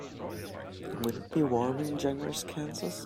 Will it be warm in Jenners Kansas?